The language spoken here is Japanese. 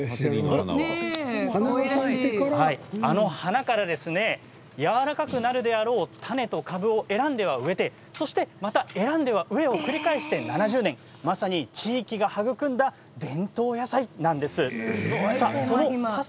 あの花からやわらかくなるであろう種と株を選んで植えて選んで植えてを繰り返して７０年地域がはぐくんだ伝統野菜なんです。